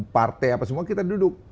partai apa semua kita duduk